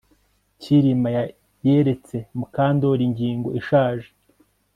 Kirima yeretse Mukandoli ingingo ishaje